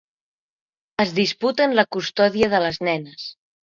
Es disputen la custòdia de les nenes.